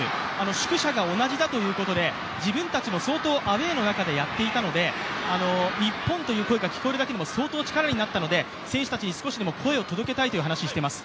宿舎が同じだということで、自分たちも相当アウェーの中でやっていたので日本という声が聞こえるだけでも相当力になったので、選手たちに少しでも声を届けたいという話をしています。